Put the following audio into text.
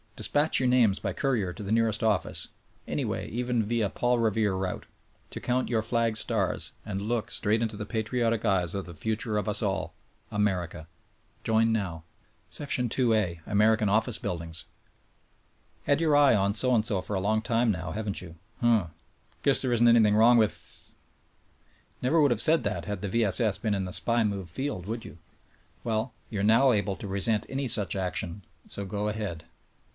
Dispatch your names by courier to the nearest office ; anyway — even via Paul Revere route— to count your flag's stars, and look — straight into the patriotic eyes of the future of us all — America. Join— now ! 2 A. American Oftice Buildings. Had your eye on so and so for a long time now, haven't 3^ou? Huh! Guess there isn't anything wrong with ? Never would have said that had the V. S. S. been in the big SPY move field, would you? Well, you are now able to resent any such action, so go ahead!